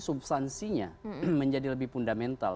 substansinya menjadi lebih fundamental